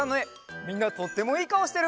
みんなとってもいいかおしてる！